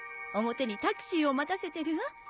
表にタクシーを待たせてるわ。